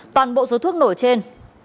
toàn bộ số thuốc nổ trên